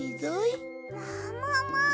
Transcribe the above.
ももも！